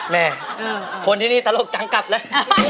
แม่คนที่นี่ตลกจังกลับเลย